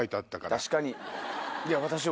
確かに。